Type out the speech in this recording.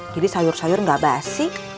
jadi sayur sayur enggak basi